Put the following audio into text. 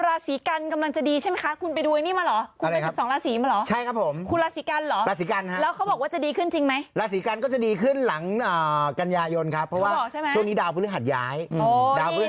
เรียบร้อมรับกลัวนะครับราศีกันกำลังจะดีใช่ไหมคุณไปดูนี้มาแล้วเหรอ